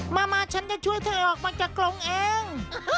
มาฉันจะช่วยเธอออกมาจากกรงเอง